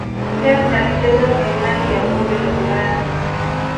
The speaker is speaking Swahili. pep alicheza fainali ya kombe la ulaya